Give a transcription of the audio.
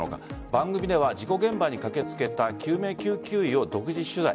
番組では事故現場に駆けつけた救命救急医を独自取材。